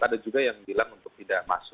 ada juga yang bilang untuk tidak masuk